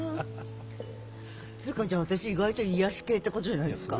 つうかじゃあ私意外と癒やし系ってことじゃないですか。